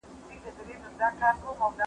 زدهکوونکي د ښوونځي د نظم څخه خوښ دي.